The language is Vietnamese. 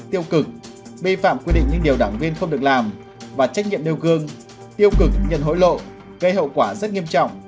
tiêu cực vi phạm quy định những điều đảng viên không được làm và trách nhiệm nêu gương tiêu cực nhận hối lộ gây hậu quả rất nghiêm trọng